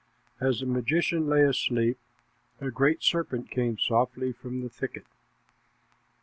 As the magician lay asleep, a great serpent came softly from the thicket.